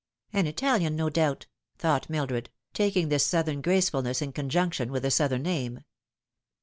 "An Italian, no doubt," thought Mildred, taking this Southern gracef ulness in conjunction with the Southern name.